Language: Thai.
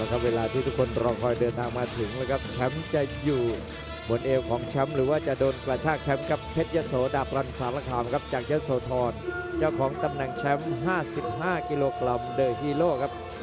เวลาที่ทุกคนรอคอยเดินทางมาถึงนะครับแชมป์จะอยู่บนเอวของแชมป์หรือว่าจะโดนกระชากแชมป์กับเพชรยะโสดาบรันสารคามครับจากยะโสธรเจ้าของตำแหน่งแชมป์๕๕กิโลกรัมโดยฮีโร่ครับ